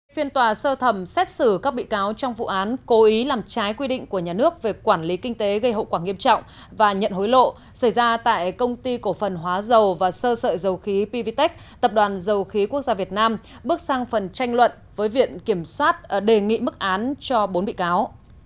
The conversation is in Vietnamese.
phiên tòa sơ thẩm xét xử các bị cáo trong vụ án cố ý làm trái quy định của nhà nước về quản lý kinh tế gây hậu quả nghiêm trọng và nhận hối lộ xảy ra tại công ty cổ phần hóa dầu và sơ sợi dầu khí pvtec tập đoàn dầu khí quốc gia việt nam bước sang phần tranh luận với viện kiểm soát đề nghị mức án cho bốn bị cáo